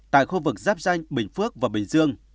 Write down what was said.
tại khu vực giáp danh bình phước và bình dương